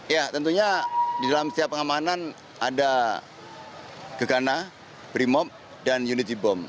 ya tentunya di dalam setiap pengamanan ada gegana brimob dan unity bom